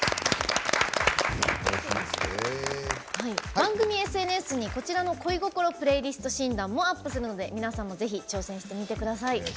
番組ＳＮＳに「恋心プレイリスト診断」もアップするので皆さんもぜひ挑戦してみてください。